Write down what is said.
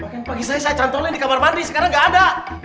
pake pagi saya saya cantolin di kamar mandi sekarang ga ada